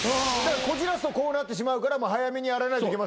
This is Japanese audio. こじらすとこうなってしまうから早めにやらないといけませんね。